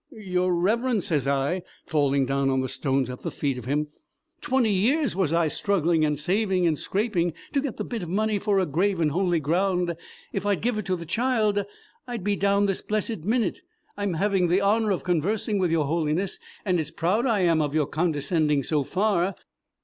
'Your Reverence,' sez I, falling down on the stones at the feet of him, 'twenty years was I struggling, and saving, and scraping to get the bit money for a grave in holy ground! If I'd give it to the child, I'd be down this blessed minute I'm having the honor of conversing with your Holiness and it's proud I am of your condescending so far!